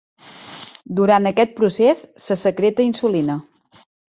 Durant aquest procés se secreta insulina.